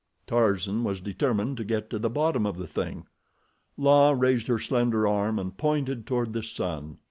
Tarzan was determined to get to the bottom of the thing. La raised her slender arm and pointed toward the sun.